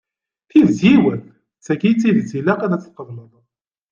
Tidet yiwet, d tagi i d tidet ilaq ad tt-tqebleḍ.